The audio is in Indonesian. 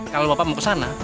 kalau bapak mau ke sana